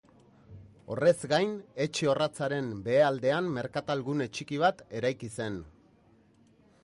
Horrez gain, etxe orratzaren behealdean merkatal-gune txiki bat eraiki zen.